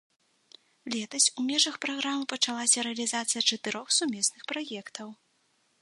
Летась у межах праграмы пачалася рэалізацыя чатырох сумесных праектаў.